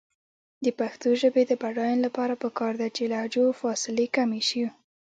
د پښتو ژبې د بډاینې لپاره پکار ده چې لهجو فاصلې کمې شي.